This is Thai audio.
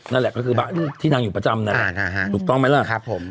นั่นแหละก็คือบ้านที่นางอยู่ประจำนั่นแหละถูกต้องไหมล่ะครับผม